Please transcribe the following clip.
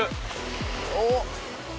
おっ！